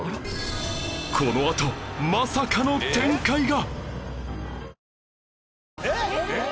このあとまさかの展開が！